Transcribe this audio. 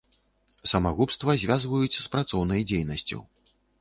Самагубства звязваюць з працоўнай дзейнасцю.